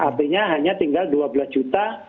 artinya hanya tinggal dua belas juta